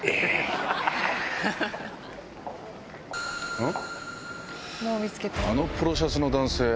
うん？